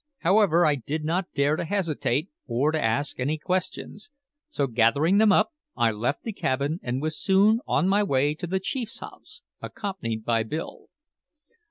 However, I did not dare to hesitate, or to ask any questions; so gathering them up, I left the cabin, and was soon on my way to the chief's house, accompanied by Bill.